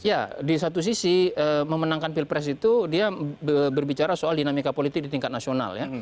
ya di satu sisi memenangkan pilpres itu dia berbicara soal dinamika politik di tingkat nasional ya